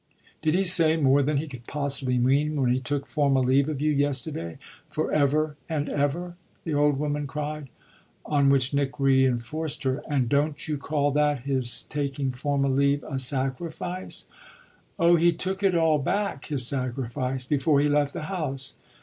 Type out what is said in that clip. "Did he say more than he can possibly mean when he took formal leave of you yesterday for ever and ever?" the old woman cried. On which Nick re enforced her. "And don't you call that his taking formal leave a sacrifice?" "Oh he took it all back, his sacrifice, before he left the house."